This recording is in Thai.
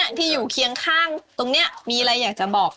อยากเป็นคนเดียวจริง